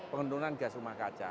pengendunan gas rumah kaca